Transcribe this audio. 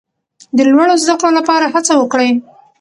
د لوړو زده کړو لپاره هڅه وکړئ.